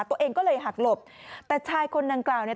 ตัวเองก็เลยหักหลบแต่ชายคนดังกล่าวเนี่ย